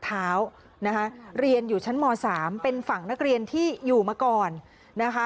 นะคะเรียนอยู่ชั้นม๓เป็นฝั่งนักเรียนที่อยู่มาก่อนนะคะ